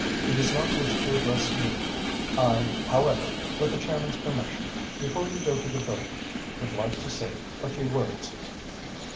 He does not wish to address you. I, however, with the chairman's permission, before you go to the vote would like to say a few words."